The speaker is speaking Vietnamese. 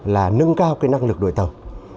là nâng cao cái năng lực đội tàu